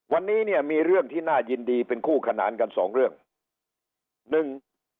วันนี้เนี่ยมีเรื่องที่น่ายินดีเป็นคู่ขนานกันสองเรื่องหนึ่ง